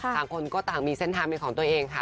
คนก็ต่างมีเส้นทางเป็นของตัวเองค่ะ